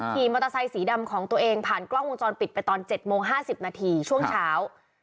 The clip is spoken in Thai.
ขี่มอเตอร์ไซสีดำของตัวเองผ่านกล้องวงจรปิดไปตอน๗โมง๕๐นาทีช่วงเช้า